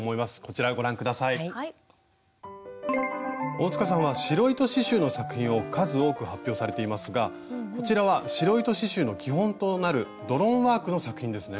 大さんは白糸刺しゅうの作品を数多く発表されていますがこちらは白糸刺しゅうの基本となる「ドロンワーク」の作品ですね。